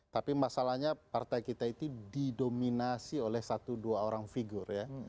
tapi masalahnya partai kita itu didominasi oleh satu dua orang figur ya